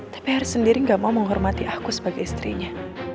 tapi harry sendiri gak mau menghormati aku sebagai istrinya